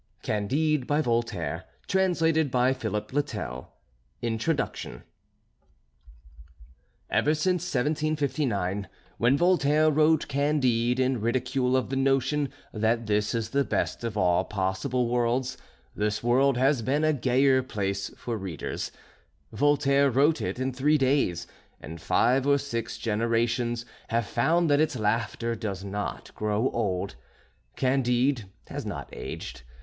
Printed in the United States of America INTRODUCTION Ever since 1759, when Voltaire wrote "Candide" in ridicule of the notion that this is the best of all possible worlds, this world has been a gayer place for readers. Voltaire wrote it in three days, and five or six generations have found that its laughter does not grow old. "Candide" has not aged.